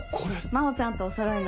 真帆さんとおそろいの。